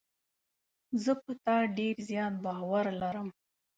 زه په تا ډېر زیات باور لرم.